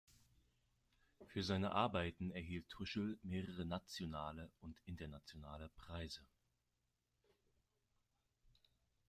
Für seine Arbeiten erhielt Tuschl mehrere nationale und internationale Preise.